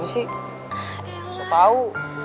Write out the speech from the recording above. gak usah tau